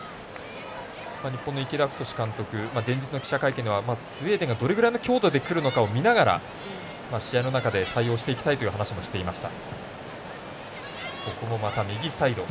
日本の池田太監督前日の記者会見ではスウェーデンはどれぐらいの強度でくるのか見ながら、試合の中で対応していきたいという話もしていました。